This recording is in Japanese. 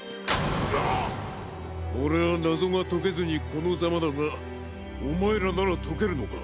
オレはなぞがとけずにこのざまだがおまえらならとけるのか？